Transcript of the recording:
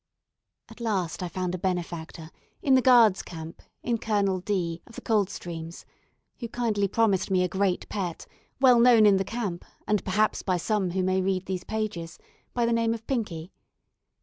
At last I found a benefactor, in the Guards' camp, in Colonel D , of the Coldstreams, who kindly promised me a great pet, well known in the camp, and perhaps by some who may read these pages, by the name of Pinkie.